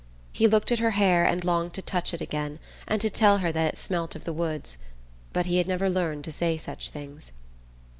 He looked at her hair and longed to touch it again, and to tell her that it smelt of the woods; but he had never learned to say such things.